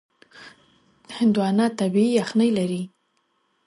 هندوانه طبیعي یخنۍ لري.